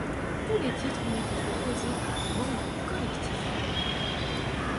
Tous les titres ont été composés par les membres du collectif.